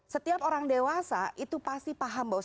setiap orang dewasa itu pasti paham bahwa